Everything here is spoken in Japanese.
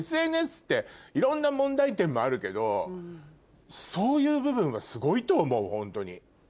ＳＮＳっていろんな問題点もあるけどそういう部分はすごいと思うホントに。